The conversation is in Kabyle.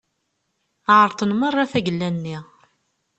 Ԑerḍen merra tagella-nni.